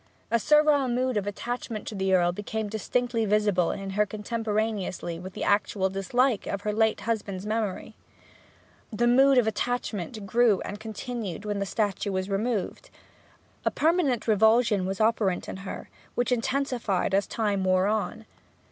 A servile mood of attachment to the Earl became distinctly visible in her contemporaneously with an actual dislike for her late husband's memory. The mood of attachment grew and continued when the statue was removed. A permanent revulsion was operant in her, which intensified as time wore on.